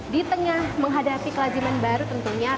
di tengah menghadapi kelajiman baru tentunya